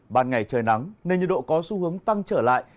ban ngày trời nắng nên nhiệt độ có xu hướng tăng trở lại